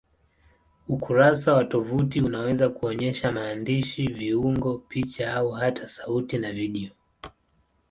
Ukurasa wa tovuti unaweza kuonyesha maandishi, viungo, picha au hata sauti na video.